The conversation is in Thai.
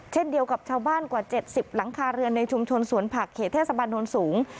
เช่นเดียวกับชาวบ้านกว่า๗๐หลังคาเรือนในชุมชนสวนผักเขตเทศบาลโน้นสูง